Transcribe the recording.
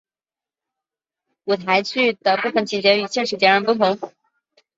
舞台剧的部分情节与现实截然不同。